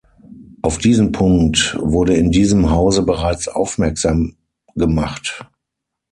Auf diesen Punkt wurde in diesem Hause bereits aufmerksam gemacht.